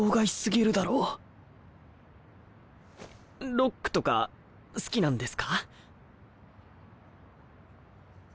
ロックとか好きなんですか？